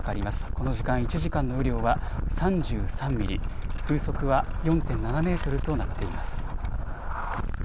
この時間、１時間の雨量は３３ミリ、風速は４．７メートルとなっています。